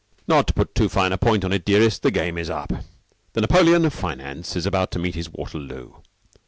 "Not to put too fine a point on it, dearest, the game is up. The Napoleon of Finance is about to meet his Waterloo.